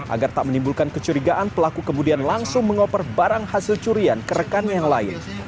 agar tak menimbulkan kecurigaan pelaku kemudian langsung mengoper barang hasil curian ke rekannya yang lain